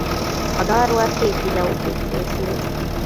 A dalról két videóklip készült.